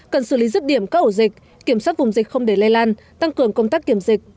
cần xử lý rứt điểm các ổ dịch kiểm soát vùng dịch không để lây lan tăng cường công tác kiểm dịch